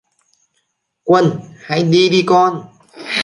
Quân Hãy đi đi con